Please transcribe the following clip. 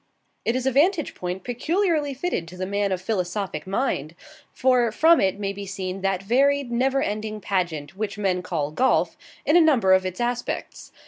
It is a vantage point peculiarly fitted to the man of philosophic mind: for from it may be seen that varied, never ending pageant, which men call Golf, in a number of its aspects.